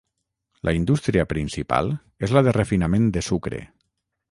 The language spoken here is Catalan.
La indústria principal és la del refinament de sucre.